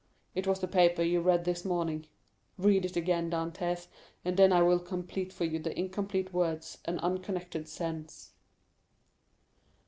It was that paper you read this morning; read it again, Dantès, and then I will complete for you the incomplete words and unconnected sense."